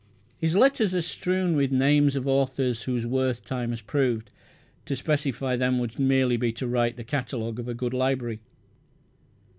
His letters are strewn with names of authors whose worth time has proved. To specify them would merely be to write the catalogue of a good library.